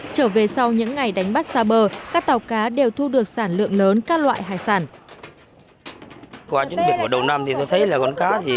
trở về sau những ngày đánh bắt xa bờ các tàu cá đều thu được sản lượng lớn các loại hải sản